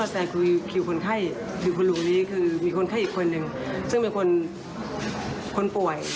ซึ่งเป็นคนคนป่วย